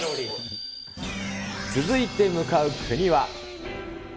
続いて向かう国は。